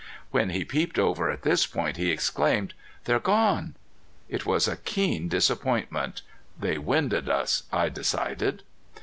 When he peeped over at this point he exclaimed: "They're gone!" It was a keen disappointment. "They winded us," I decided.